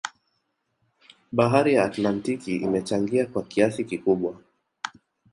Bahari ya Atlantiki imechangia kwa kiasi kikubwa